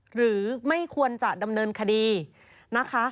หรือไม่ควรจะดำเนินคดีนะคะ